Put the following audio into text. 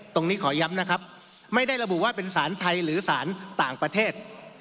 ขอย้ำนะครับไม่ได้ระบุว่าเป็นสารไทยหรือสารต่างประเทศ